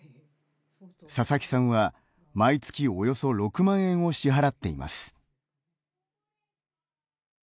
佐々木さんは、毎月およそ６万円を支払っています。